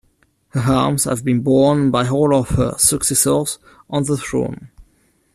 Her arms have been borne by all of her successors on the throne.